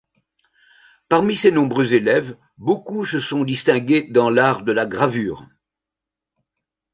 Parmi ses nombreux élèves, beaucoup se sont distingués dans l'art de la gravure.